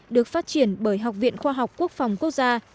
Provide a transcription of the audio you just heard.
được phát triển bởi học viện khoa học quốc phòng quốc gia